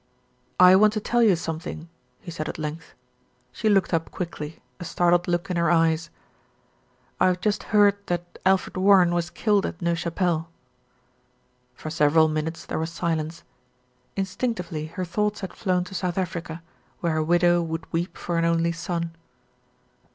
"I want to tell you something," he said at length. She looked up quickly, a startled look in her eyes. "I have just heard that Alfred Warren was killed at Neuve Chapelle." For several minutes there was silence. Instinctively her thoughts had flown to South Africa, where a widow would weep for an only son.